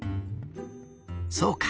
そうか。